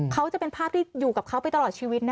เขาจะเป็นภาพที่อยู่กับเขาไปตลอดชีวิตนะ